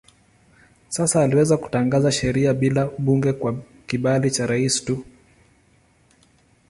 Sasa aliweza kutangaza sheria bila bunge kwa kibali cha rais tu.